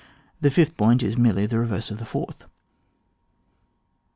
The fifth point is merely the reverse of the fourth.